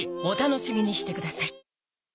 お楽しみにしてください